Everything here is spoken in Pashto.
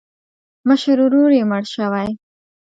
مشر ورور یې مړ شوی.